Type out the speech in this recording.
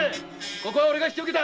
ここは引き受けた。